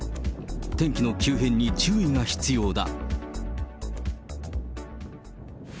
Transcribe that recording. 天気の急変に注意が必要だ。